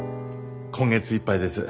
今月いっぱいです。